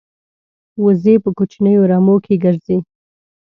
وزې په کوچنیو رمو کې ګرځي